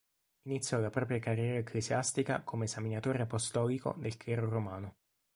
Iniziò la propria carriera ecclesiastica come esaminatore apostolico del clero romano.